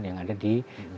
yang ada di